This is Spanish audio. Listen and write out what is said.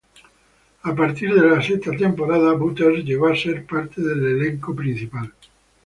A partir de la sexta temporada, Butters llegó a ser parte del elenco principal.